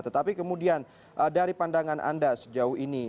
tetapi kemudian dari pandangan anda sejauh ini